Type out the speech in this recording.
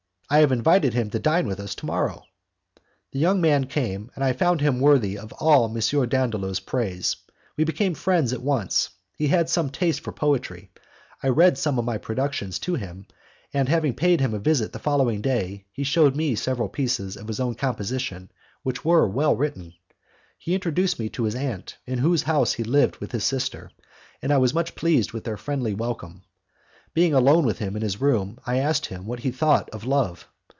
"I have invited him to dine with us to morrow." The young man came, and I found him worthy of all M. Dandolo's praise. We became friends at once; he had some taste for poetry, I read some of my productions to him, and having paid him a visit the following day, he shewed me several pieces of his own composition which were well written. He introduced me to his aunt, in whose house he lived with his sister, and I was much pleased with their friendly welcome. Being alone with him in his room, I asked him what he thought of love.